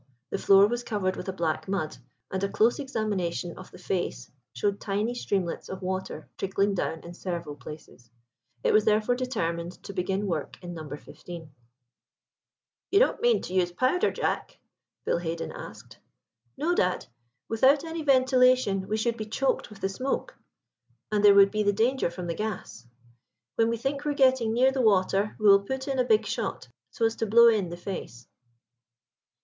The floor was covered with a black mud, and a close examination of the face showed tiny streamlets of water trickling down in several places. It was therefore determined to begin work in No. 15. "You don't mean to use powder, Jack?" Bill Haden asked. "No, dad; without any ventilation we should be choked with the smoke, and there would be the danger from the gas. When we think we are getting near the water we will put in a big shot, so as to blow in the face."